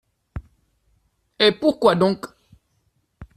Et pourquoi donc ?